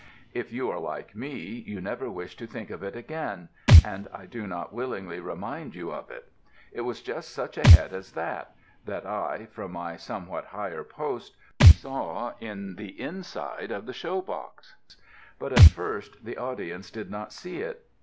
If you are like me, you never wish to think of it again, and I do not willingly remind you of it. It was just such a head as that, that I, from my somewhat higher post, saw in the inside of the show box; but at first the audience did not see it.